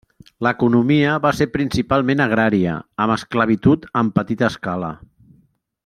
L'economia va ser principalment agrària, amb esclavitud en petita escala.